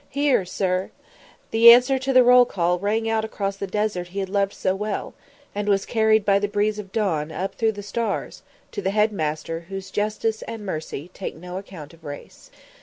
"Here, Sir!" The answer to the roll call rang out across the desert he had loved so well, and was carried by the breeze of dawn up through the stars to the Head Master whose justice and mercy take no account of race.